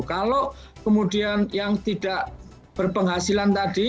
kalau kemudian yang tidak berpenghasilan tadi